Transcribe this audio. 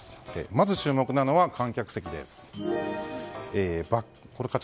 まず、注目なのは観客席です。